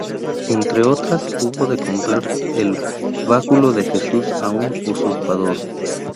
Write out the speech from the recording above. Entre otras, hubo de comprar el báculo de Jesús a un usurpador.